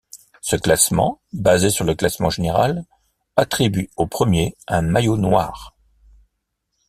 Ce classement, basé sur le classement général, attribue au premier un maillot noir.